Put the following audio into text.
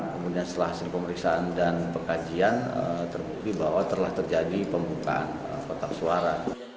kemudian setelah hasil pemeriksaan dan pengkajian terbukti bahwa telah terjadi pembukaan kotak suara